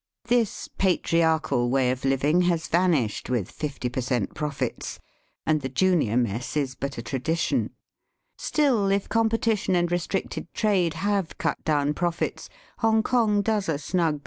This patriarchal way of living has vanished with fifty per cent, profits, and the junior mess is but a tradition. Still, if competition and restricted trade have cut down profits, Hongkong does a snug Digitized by VjOOQIC THE GIBRALTAB OF THE EAST.